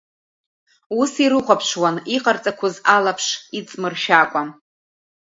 Ус ирыхәаԥшуан, иҟарҵақәоз алаԥш иҵмыршәакәа.